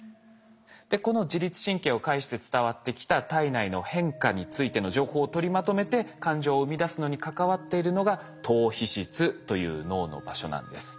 でこの自律神経を介して伝わってきた体内の変化についての情報を取りまとめて感情を生み出すのに関わっているのが島皮質という脳の場所なんです。